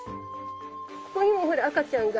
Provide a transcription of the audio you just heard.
ここにもほら赤ちゃんが。